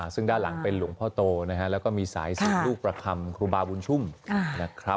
ซึ่งด้านหลังเป็นหลวงพ่อโตนะฮะแล้วก็มีสายสืบลูกประคำครูบาบุญชุ่มนะครับ